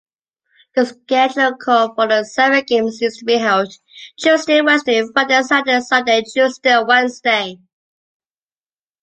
The schedule called for the seven-game series to be held Tue-Wed, Fri-Sat-Sun, Tue-Wed.